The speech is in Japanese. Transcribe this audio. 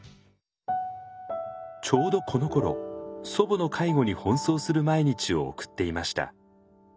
ちょうどこのころ祖母の介護に奔走する毎日を送っていました。